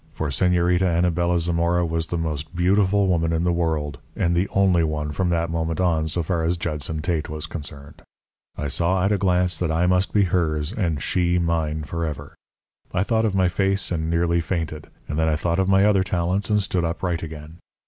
For Señorita Anabela Zamora was the most beautiful woman in the world, and the only one from that moment on, so far as Judson Tate was concerned. I saw at a glance that I must be hers and she mine forever. I thought of my face and nearly fainted; and then I thought of my other talents and stood upright again.